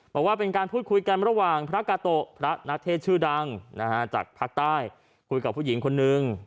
บอกว่าเป็นการพูดคุยกันระหว่างพระกาโตะพระนักเทศชื่อดังนะฮะจากภาคใต้คุยกับผู้หญิงคนนึง